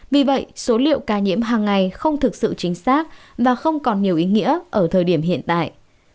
vì vậy số liệu ca nhiễm hàng ngày không thực sự chính xác và không còn nhiều ý nghĩa ở thời điểm hiện tại